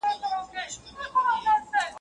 o توري نورو ځوانانو ووهلې، منصب سدو وخوړ.